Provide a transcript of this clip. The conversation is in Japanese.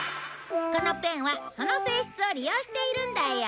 このペンはその性質を利用しているんだよ。